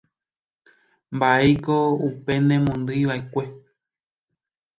Mbaʼéiko upe nemondýivaʼekue.